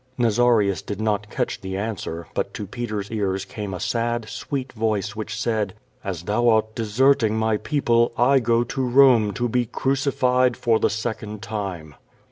Nazarius did not catch the answer, but to Peter's ears came a sad, sweet voice, which said: "As thou art deserting my people, I go to Rome to be crucified, for the second time."